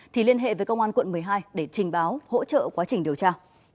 thì liên hệ với công an quận một mươi hai để trình báo hỗ trợ quá trình điều tra